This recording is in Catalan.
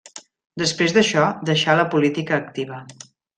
Després d'això deixà la política activa.